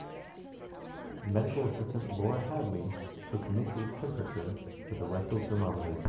Medical assistant Laura Hadley took Mitchell's temperature with a rectal thermometer.